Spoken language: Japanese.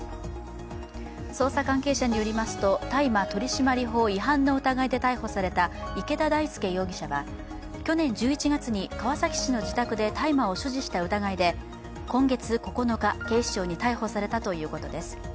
捜査関係者によりますと大麻取締法違反の疑いで逮捕された池田大亮容疑者は去年１１月に川崎市の自宅で大麻を所持した疑いで今月９日、警視庁に逮捕されたということです。